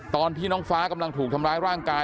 ตอนที่น้องฟ้ากำลังถูกทำร้ายร่างกาย